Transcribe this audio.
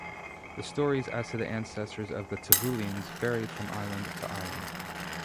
The stories as to the ancestors of the Tuvaluans vary from island to island.